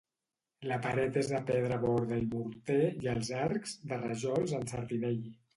La paret és de pedra borda i morter i els arcs, de rajols en sardinell.